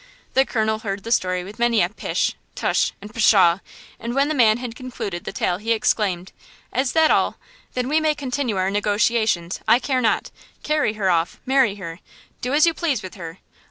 The colonel heard the story with many a "pish," "tush" and "pshaw," and when the man had concluded the tale he exclaimed: "Is that all? Then we may continue our negotiations, I care not! Carry her off! marry her! do as you please with her!